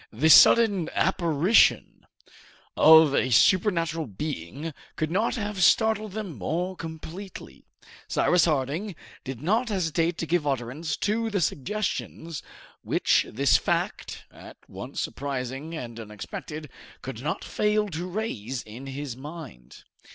The sudden apparition of a supernatural being could not have startled them more completely. Cyrus Harding did not hesitate to give utterance to the suggestions which this fact, at once surprising and unexpected, could not fail to raise in his mind.